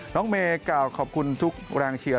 น้องเมย์กล่าวขอบคุณทุกแรงเชียร์